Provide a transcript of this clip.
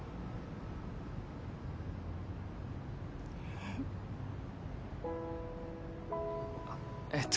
えっ？あっえっと